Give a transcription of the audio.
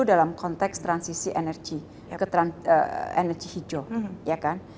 dalam konteks transisi energi energi hijau